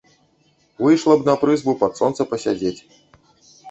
Выйшла б на прызбу пад сонца пасядзець.